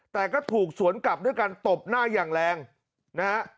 แต่ก็ถูกสวนกลับด้วยการตบหน้าอย่างแรงนะฮะ